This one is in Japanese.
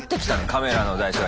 カメラの台数が。